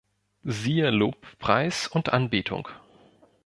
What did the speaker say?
Siehe Lobpreis und Anbetung.